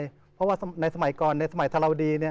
เพราะว่าในสมัยก่อนในสมัยธรวดีเนี่ย